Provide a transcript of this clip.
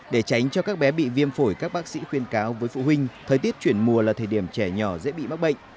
để tránh cho các bé bị viêm phổi các bác sĩ khuyên cáo với phụ huynh thời tiết chuyển mùa là thời điểm trẻ nhỏ dễ bị mắc bệnh